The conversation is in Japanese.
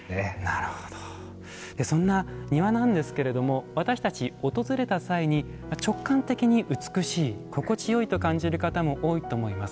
そんな庭なんですが私たち、訪れた際に直感的に美しい、心地よいと感じる方も多いと思います。